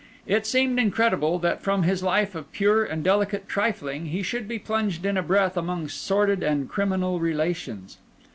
It seemed incredible that, from his life of pure and delicate trifling, he should be plunged in a breath among sordid and criminal relations.